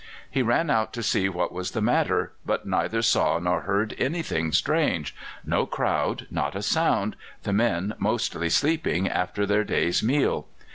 He ran out to see what was the matter, but neither saw nor heard anything strange no crowd, not a sound, the men mostly sleeping after their day's meal.